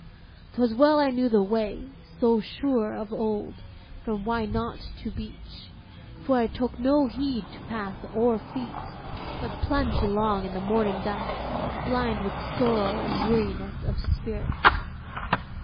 'Twas well I knew the way, so sure of old, from Why Not? to beach; for I took no heed to path or feet, but plunged along in the morning dusk, blind with sorrow and weariness of spirit.